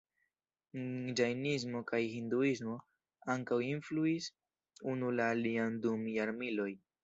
Ĝajnismo kaj Hinduismo ankaŭ influis unu la alian dum jarmiloj.